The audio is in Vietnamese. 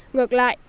ngược lại estonia